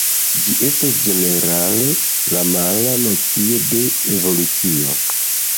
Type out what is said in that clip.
Ĝi estas ĝenerale la mala nocio de «Evolucio».